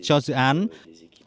trong dự án này